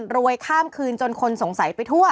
รวยข้ามคืนจนคนสงสัยไปทั่ว